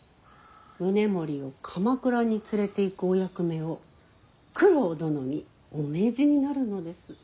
宗盛を鎌倉に連れていくお役目を九郎殿にお命じになるのです。